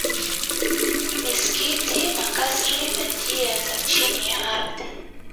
misikiti makasri na njia za chini ya ardhi